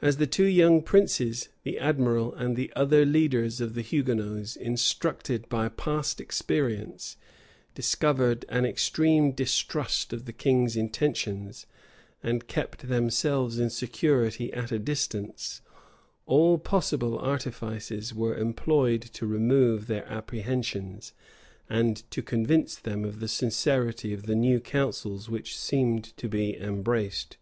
As the two young princes, the admiral, and the other leaders of the Hugonots, instructed by past experience, discovered an extreme distrust of the king's intentions, and kept themselves in security at a distance, all possible artifices were employed to remove their apprehensions, and to convince them of the sincerity of the new counsels which seemed to be embraced.